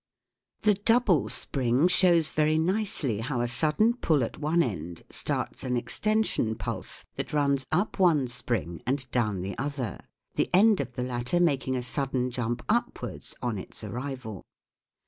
The double spring shows very nicely how a sudden pull at one end starts an extension pulse that runs up one spring and down the other; the end of the latter making a sudden jump upwards on its arrival.